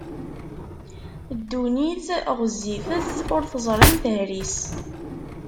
Ddunit ɣwezzifet, ur teẓrim tehri-s!